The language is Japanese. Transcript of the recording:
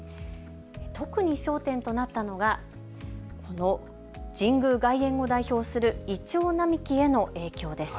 特に焦点となったのがこの神宮外苑を代表するイチョウ並木への影響です。